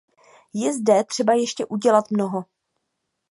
Je zde třeba ještě udělat mnoho.